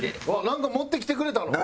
なんか持ってきてくれたの？